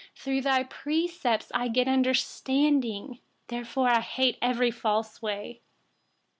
104Through your precepts, I get understanding; therefore I hate every false way.